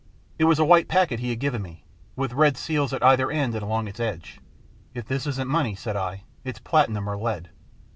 It was a white packet he had given me, with red seals at either end and along its edge. " If this isn't money," said I, " it's platinum or lead."